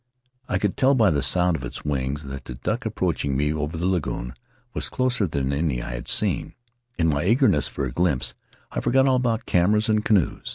I could tell by the sound of its wings that the duck approaching me over the lagoon was closer than any I had seen; in my eagerness for a glimpse I forgot all about cameras and canoes.